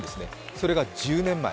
それが１０年前。